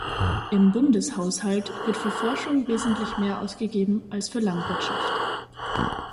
Im Bundeshaushalt wird für Forschung wesentlich mehr ausgegeben als für Landwirtschaft.